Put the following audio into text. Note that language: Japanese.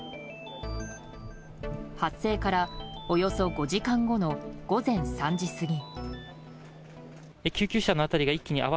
発生からおよそ５時間後の午前３時過ぎ。